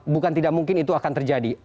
bukan tidak mungkin itu akan terjadi